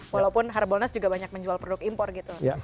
walaupun harbolnas juga banyak menjual produk impor gitu